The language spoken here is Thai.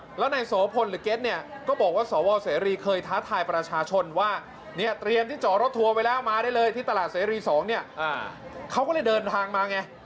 เด็กหน้าในสวพลิเพรรยบริกก็บอกว่าโสเสรีย์เคยท้าทายประชาชนว่าเนี่ยเตรียมที่อยู่รถทัวร์ไปแล้วมาได้เลยที่ตลาดเสรีย์๒เนี่ยเขาก็เลยเดินทางมาไง